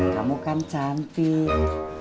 kamu kan cantik